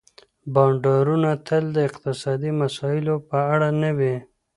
بانډارونه تل د اقتصادي مسايلو په اړه نه وي.